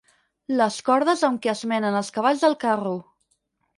Les cordes amb què es menen els cavalls del carro.